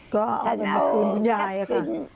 ก็เอาเงินมาคืนคุณยายอ่ะค่ะ